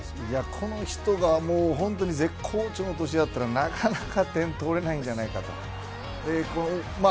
この人がもう絶好調の年だったらなかなか点取れないんじゃないかと。